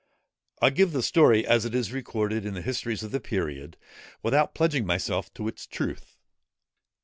I give the story, as it is recorded in the histories of the period, without pledging myself to its truth.